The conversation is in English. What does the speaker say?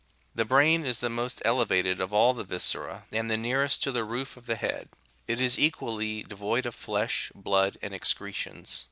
The brain is the most ele vated of all the viscera, and the nearest to the roof of the head ; it is equally devoid of flesh, blood, and excretions.